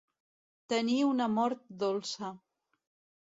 Tenir una mort dolça.